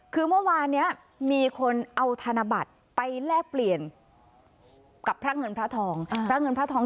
คือเมื่อวานนี้มีคนเอาธนบัตรไปแลกเปลี่ยนกับพระเงินพระทอง